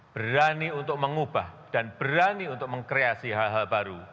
berani untuk mengubah dan berani untuk mengkreasi hal hal baru